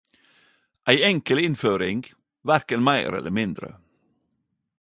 Ei enkel innføring - verken meir eller mindre.